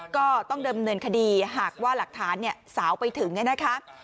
ก็ต้องเดิมเนินคดีหากว่าหลักฐานเนี่ยสาวไปถึงเนี่ยนะคะ